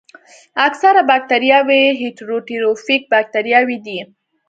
اکثره باکتریاوې هیټروټروفیک باکتریاوې دي.